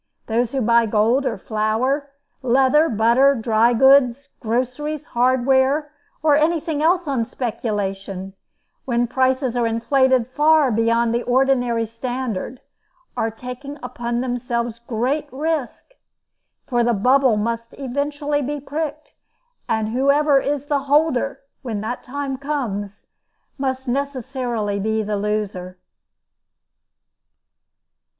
Those who buy gold or flour, leather, butter, dry goods, groceries, hardware, or anything else on speculation, when prices are inflated far beyond the ordinary standard, are taking upon themselves great risks, for the bubble must eventually be pricked; and whoever is the "holder" when that time comes, must necessarily be the loser.